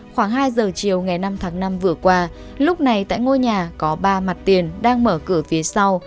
khoảng hai giờ chiều ngày năm tháng năm vừa qua lúc này tại ngôi nhà có ba mặt tiền đang mở cửa phía sau